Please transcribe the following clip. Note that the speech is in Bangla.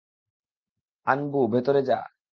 আনবু, ভেতরে যা।